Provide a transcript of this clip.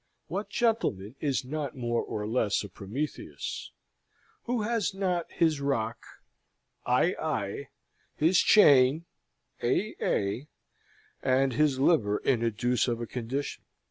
What gentleman is not more or less a Prometheus? Who has not his rock (ai, ai), his chain (ea, ea), and his liver in a deuce of a condition?